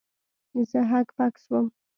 زه هک پک سوم.